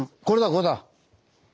これだこれだ。